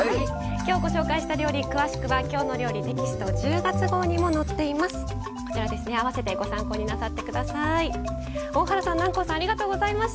きょう、ご紹介した料理詳しくは「きょうの料理」テキスト１０月号にも載っています。